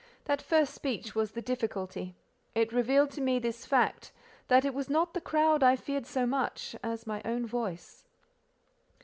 That first speech was the difficulty; it revealed to me this fact, that it was not the crowd I feared so much as my own voice.